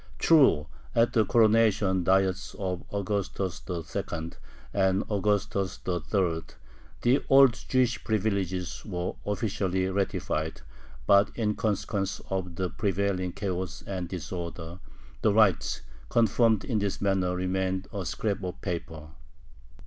True, at the Coronation Diets of Augustus II. and Augustus III. the old Jewish privileges were officially ratified, but, in consequence of the prevailing chaos and disorder, the rights, confirmed in this manner, remained a scrap of paper.